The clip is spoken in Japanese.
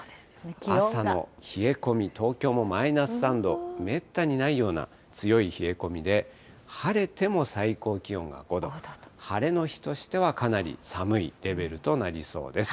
朝の冷え込み、東京もマイナス３度、めったにないような強い冷え込みで、晴れても最高気温が５度、晴れの日としてはかなり寒いレベルとなりそうです。